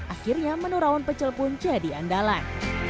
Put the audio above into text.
akhirnya menu rawon pecel pun jadi andalan